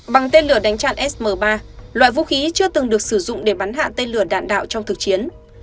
bằng tên lửa đánh chặn sm ba loại vũ khí chưa từng được sử dụng để bắn hạ tên lửa đạn đạo trong thực chiến